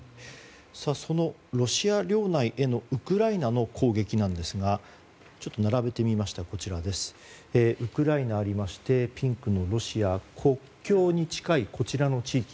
そのロシア領内へのウクライナの攻撃なんですがウクライナがありましてピンクのロシア国境に近いこちらの地域。